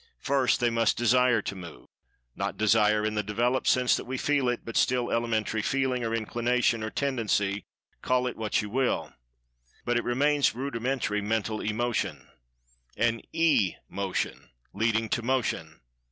First they must desire to move—not Desire in the developed sense that we feel it, but still elementary "feeling," or "inclination," or "tendency"—call it what you will, but it remains rudimentary Mental Emotion[Pg 167]—an E motion leading to Motion.